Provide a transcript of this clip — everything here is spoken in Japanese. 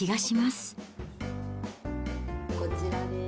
こちらです。